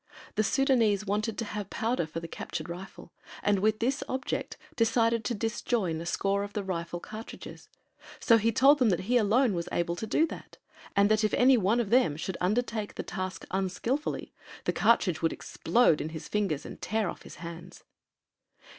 The Sudânese wanted to have powder for the captured rifle and with this object decided to disjoin a score of the rifle cartridges, so he told them that he alone was able to do that, and that if any one of them should undertake the task unskilfully, the cartridge would explode in his fingers and tear off his hands.